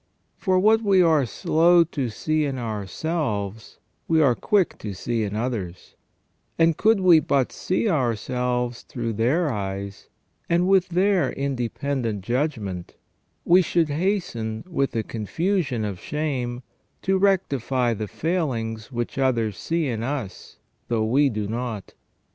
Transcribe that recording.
For what we are slow to see in ourselves we are quick to see in others, and could we but see ourselves through their eyes, and with their independent judgment, we should hasten, with the confusion of shame, to rectify the failings which others see in us though we do not.